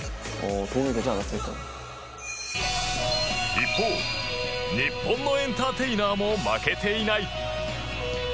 一方日本のエンターテイナーも負けていない！